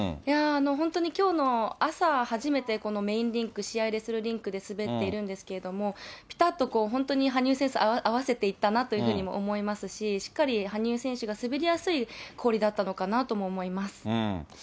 本当にきょうの朝初めて、このメインリンク、試合でするリンクで滑っているんですけれども、ぴたっと本当に羽生選手合わせていったなというふうにも思いますし、しっかり羽生選手が滑りやすい氷だったのかなとも思います。